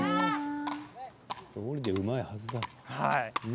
どうりでうまいはずだ。